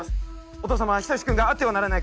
お父様久義君があってはならないことを。